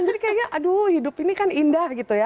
jadi kayaknya hidup ini kan indah gitu ya